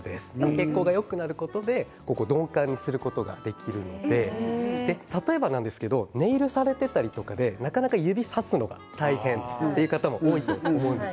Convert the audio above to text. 血行がよくなることで鈍感にすることができるのでネイルをされていてなかなか指をさすのが大変という方もいると思うんです。